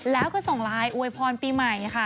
แล้วก็ส่งไลน์อวยพรปีใหม่ค่ะ